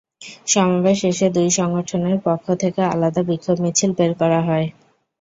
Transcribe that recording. সমাবেশ শেষে দুই সংগঠনের পক্ষ থেকে আলাদা বিক্ষোভ মিছিল বের করা হয়।